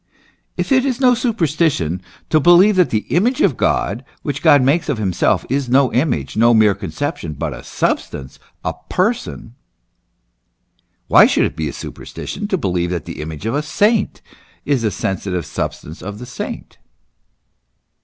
If it is no superstition to believe that the image which God makes of himself, is no image, no mere conception, but a substance, a person, why should it be a superstition to believe that the image of the saint is the sensi tive substance of the saint